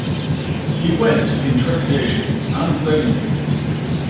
He went, in trepidation... and vainly.